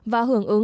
và hưởng ứng